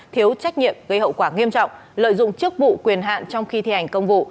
thiếu trách nhiệm gây hậu quả nghiêm trọng lợi dụng chức vụ quyền hạn trong khi thi hành công vụ